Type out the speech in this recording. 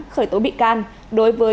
khởi tố bị can đối với